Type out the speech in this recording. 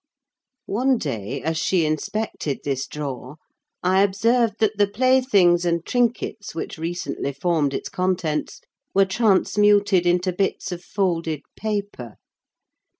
One day, as she inspected this drawer, I observed that the playthings and trinkets which recently formed its contents were transmuted into bits of folded paper.